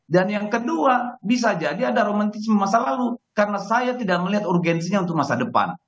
dan yang kedua bisa jadi ada romantisme masa lalu karena saya tidak melihat urgensinya untuk masa depan